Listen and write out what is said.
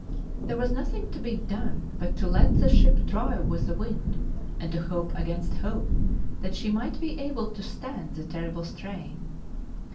There was nothing to be done but to let the ship drive with the wind, and to hope against hope that she might be able to stand the terrible strain.